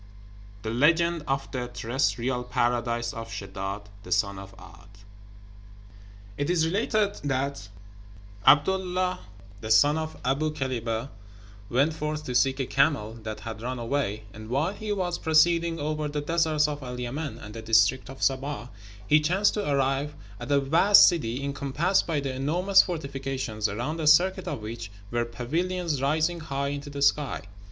THE LEGEND OF THE TERRESTRIAL PARADISE OF SHEDDÁD, THE SON OF 'A'D. It is related that 'Abd Allah, the son of Aboo Kilábeh, went forth to seek a camel that had run away, and while he was proceeding over the deserts of El Yemen and the district of Seba, he chanced to arrive at a vast city encompassed by enormous fortifications, around the circuit of which were pavilions rising high into the sky.